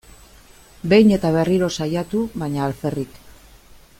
Behin eta berriro saiatu, baina alferrik.